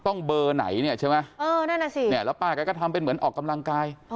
ต้องเบอร์ไหนเนี่ยใช่ไหมเออนั่นน่ะสิเนี่ยแล้วป้าแกก็ทำเป็นเหมือนออกกำลังกาย